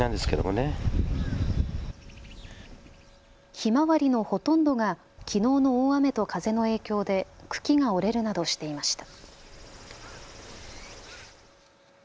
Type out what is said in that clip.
ひまわりのほとんどがきのうの大雨と風の影響で茎が折れるなどしていました。